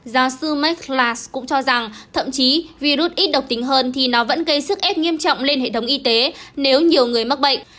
giáo sư maklas cũng cho rằng thậm chí virus ít độc tính hơn thì nó vẫn gây sức ép nghiêm trọng lên hệ thống y tế nếu nhiều người mắc bệnh